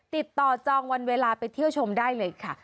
จองวันเวลาไปเที่ยวชมได้เลยค่ะ